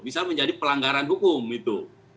bisa menjadi pelanggaran hukum itu